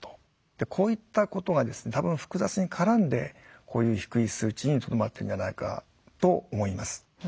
こういったことがですね多分複雑に絡んでこういう低い数値にとどまってるんじゃないかと思います。